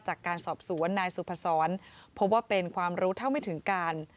จากการสอบสวนนายสุพศรพบว่าเป็นความรู้เท่าไม่ถึงการ